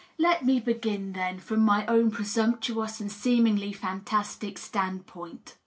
Let me begin, then, from my own presumptuous and seemingly fantastic stand point.